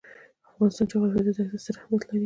د افغانستان جغرافیه کې دښتې ستر اهمیت لري.